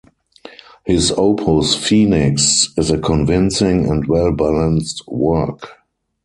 His Opus Phoenix is a convincing and well-balanced work.